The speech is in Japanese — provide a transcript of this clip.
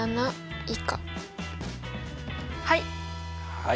はい。